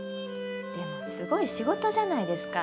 でもすごい仕事じゃないですか。